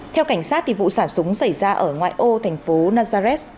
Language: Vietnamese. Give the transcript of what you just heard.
theo cảnh sát vụ sản súng xảy ra ở ngoại ô thành phố nazareth